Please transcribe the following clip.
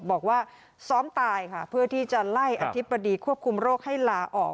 บอกว่าซ้อมตายค่ะเพื่อที่จะไล่อธิบดีควบคุมโรคให้ลาออก